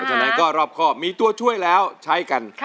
เพราะฉะนั้นก็รอบข้อมีตัวช่วยแล้วใช้กัน